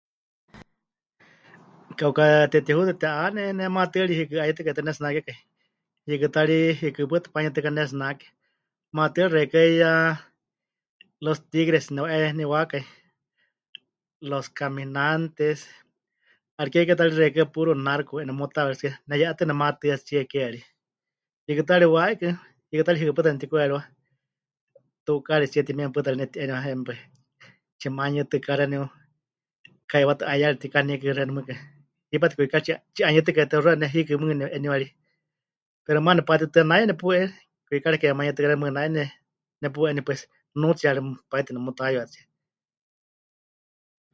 "Kauka tetihutɨ te'ane. Ne maatɨari yɨkɨ 'anuyɨtɨkaitɨ pɨnetsinakekai, hiikɨ ta ri yɨkɨ pɨta manuyɨtɨka pɨnetsinake. Maatɨari xeikɨ́a 'iyá ""Los Tigres"" nepɨwa'eniwákai, ""Los caminantes"". 'Ariké ke ta ri xeikɨ́a puro narco nemutaweeríxɨtsie, neye'etɨ́ nematɨ́atsie ke ri. Hiikɨ ta ri waikɨ, hiikɨ ta ri yɨkɨ pɨta nepɨtiku'eriwa. Tukaaritsie timieme pɨta ri nepɨti'eniwa, tsimanuyɨtɨka xeeníu, kaiwátɨ 'a'iyaari mɨtikaníkɨ xeeníu mɨɨkɨ, hipátɨ kwikari tsi 'a... tsi 'anuyɨtɨkaitɨ́ puxuawe, ne hɨɨkɨ mɨɨkɨ nepɨ'eniwa ri, pero maana nepatitɨa nai nepu'eni kwikari ke manuyɨtɨká xeeníu mɨɨkɨ nai ne... nepu'eni pues, nunuutsiyari pai tɨ nemutáyuatsie."